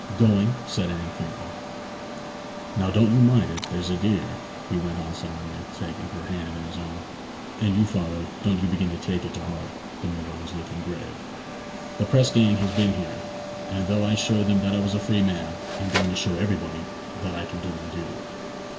'Going?' said Anne faintly. 'Now, don't you mind it, there's a dear,' he went on solemnly, taking her hand in his own. 'And you, father, don't you begin to take it to heart' (the miller was looking grave). 'The press gang has been here, and though I showed them that I was a free man, I am going to show everybody that I can do my duty.'